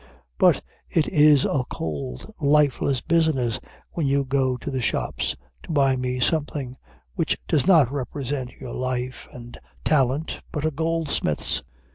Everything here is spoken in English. But it is a cold, lifeless business when you go to the shops to buy me something, which does not represent your life and talent, but a goldsmith's.